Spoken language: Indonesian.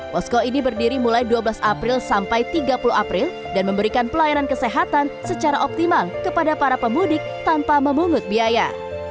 posko ini berdiri mulai dua belas april sampai tiga puluh april dan memberikan pelayanan kesehatan secara optimal kepada para pemudik tanpa memungut biaya